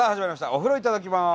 「お風呂いただきます」。